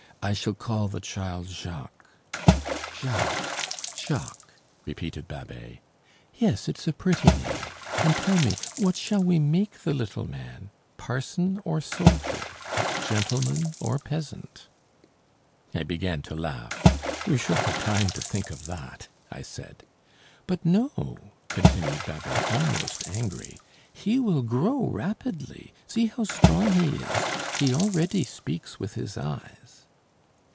"I shall call the child Jacques." "Jacques, Jacques," repeated Babet. "Yes, it's a pretty name. And, tell me, what shall we make the little man: parson or soldier, gentleman or peasant?" I began to laugh. "We shall have time to think of that," I said. "But no," continued Babet almost angry, "he will grow rapidly. See how strong he is. He already speaks with his eyes."